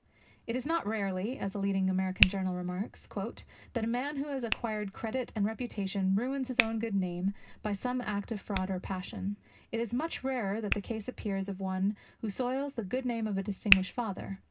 'It is not rarely,' as a leading American journal remarks, 'that a man who has acquired credit and reputation ruins his own good name by some act of fraud or passion. It is much rarer that the case appears of one who soils the good name of a distinguished father.